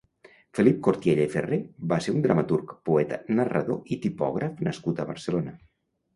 Felip Cortiella i Ferrer va ser un dramaturg, poeta, narrador i tipògraf nascut a Barcelona.